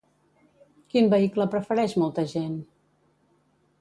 Quin vehicle prefereix molta gent?